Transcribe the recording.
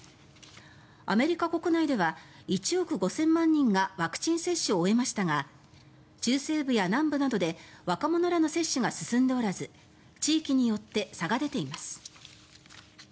アメリカ国内では１億５０００万人がワクチン接種を終えましたが中西部や南部などで若者らの接種が進んでおらず地域によって差が出ています。